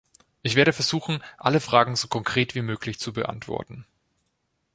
Ich werde versuchen, alle Fragen so konkret wie möglich zu beantworten.